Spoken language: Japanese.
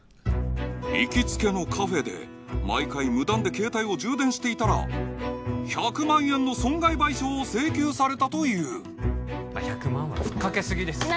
行きつけのカフェで毎回無断で携帯を充電していたら１００万円の損害賠償を請求されたという１００万は吹っかけすぎです